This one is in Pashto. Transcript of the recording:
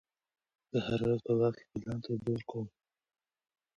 زه هره ورځ په باغ کې ګلانو ته اوبه ورکوم.